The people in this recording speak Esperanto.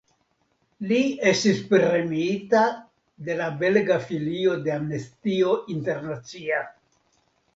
Li estis premiita de la belga filio de Amnestio Internacia.